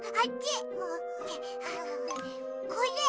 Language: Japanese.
これ。